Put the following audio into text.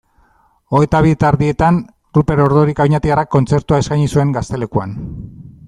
Hogeita bi eta erdietan Ruper Ordorika oñatiarrak kontzertua eskaini zuen Gaztelekuan.